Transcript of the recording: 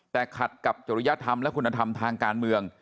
แต่ขัดกับจริยธรรมและคุณธรรมทางการเมือง